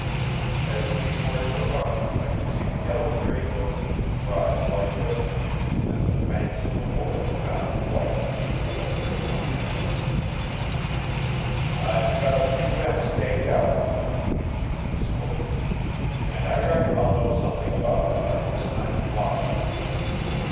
As these words were uttered I could see the yellow gray goatee rise like bristles, and the fangs of the Wolf shine white under the yellow gray mustache. "I've got a few men staked out," he continued slowly, "and I reckon I'll know something about it by this time to morrow."